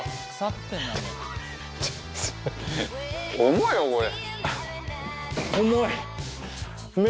重いよこれ。